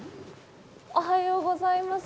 おはようございます。